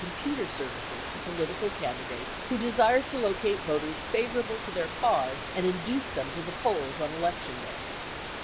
872 computer services to political candidates who desired to locate voters favorable to their cause and induce them to the polls on election day.